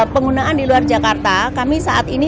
penggunaan di luar jakarta kami saat ini